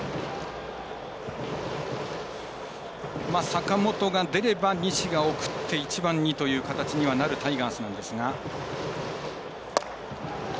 坂本が出れば西が送って１番にという形にはなるタイガースなんですが。